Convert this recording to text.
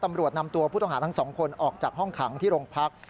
ตำรวจนำตัวผู้ต้องหาทั้งสองคนออกจากห้องขังที่โรงพัก